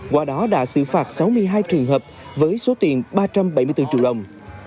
qua đó đã xử phạt sáu mươi hai trường hợp với số tiền ba trăm bảy mươi bốn triệu đồng